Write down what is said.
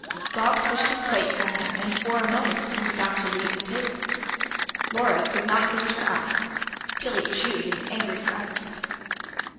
Bob pushed his plate from him and, for a moment, seemed about to leave the table. Laura could not lift her eyes. Tilly chewed in angry silence.